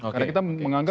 karena kita menganggap